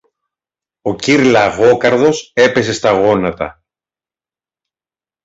Ο κυρ-Λαγόκαρδος έπεσε στα γόνατα.